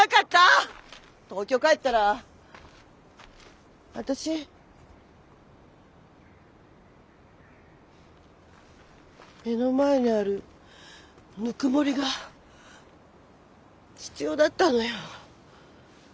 東京帰ったら私目の前にあるぬくもりが必要だったのよ。